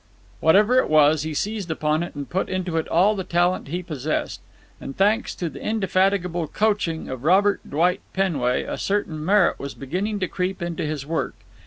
Whatever it was, he seized upon it and put into it all the talent he possessed. And thanks to the indefatigable coaching of Robert Dwight Penway, a certain merit was beginning to creep into his work.